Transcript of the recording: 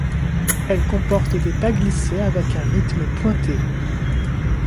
Elle comporte des pas glissés avec un rythme pointé.